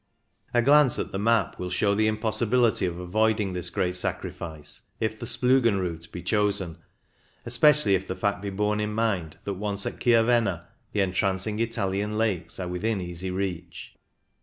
A glance at the map will show the impossibility of avoiding this great sacrifice, if the Splugen route be chosen, especially if the fact be borne in mind that, once at Chiavenna, the entrancing Italian lakes are within easy reach.